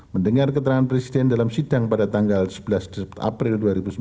mendengar keterangan presiden dalam sidang pada tanggal sebelas april dua ribu sembilan belas